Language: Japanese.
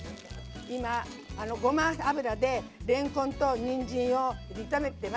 今あのごま油でれんこんとにんじんを炒めてます。